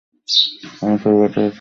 আমি ছবি পাঠিয়েছি, ওগুলো দেখো।